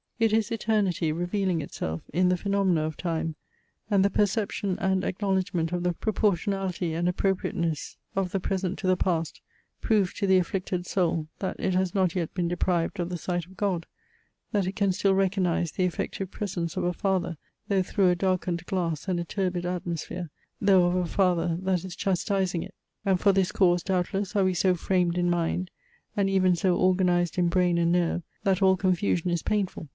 It is Eternity revealing itself in the phaenomena of Time: and the perception and acknowledgment of the proportionality and appropriateness of the Present to the Past, prove to the afflicted Soul, that it has not yet been deprived of the sight of God, that it can still recognise the effective presence of a Father, though through a darkened glass and a turbid atmosphere, though of a Father that is chastising it. And for this cause, doubtless, are we so framed in mind, and even so organized in brain and nerve, that all confusion is painful.